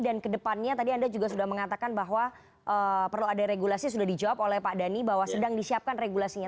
dan ke depannya tadi anda juga sudah mengatakan bahwa perlu ada regulasi sudah dijawab oleh pak dhani bahwa sedang disiapkan regulasinya